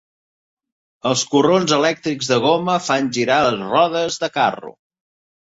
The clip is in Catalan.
Els corrons elèctrics de goma fan girar les rodes de carro.